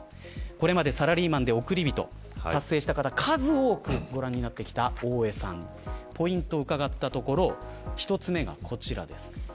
これまでサラリーマンで億り人を達成した方数多くご覧になってきた大江さんですがポイントを伺ったところ１つ目が、こちらです。